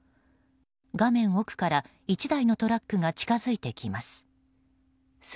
画面奥から１台のトラックが近づいてきます。